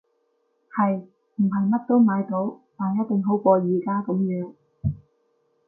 係！唔係乜都買到，但一定好過而家噉樣